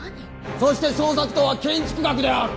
そして創作とは建築学である！